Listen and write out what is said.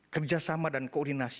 kerjasama dan koordinasi